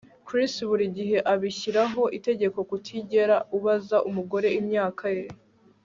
Chris buri gihe abishyiraho itegeko kutigera ubaza umugore imyaka ye